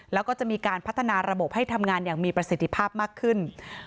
แล้วก็จะมีการพัฒนาระบบให้ทำงานอย่างมีประสิทธิภาพมากขึ้น